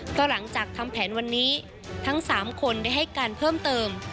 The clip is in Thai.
เพราะหลังจากทำแผนวันนี้ทั้ง๓คนได้ให้การเพิ่มเติม